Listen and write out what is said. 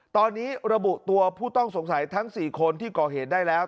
ตอนนี้ระบุตัวผู้ต้องสงสัยทั้ง๔คนที่ก่อเหตุได้แล้ว